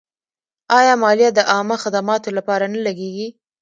آیا مالیه د عامه خدماتو لپاره نه لګیږي؟